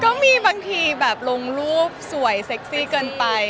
ก็มีบางทีแบบลงรูปสวยเซ็กซี่เกินไป